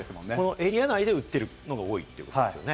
エリア内で打ってるというのが多いということですね。